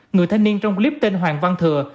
người thanh niên trong clip tên hoàng văn thừa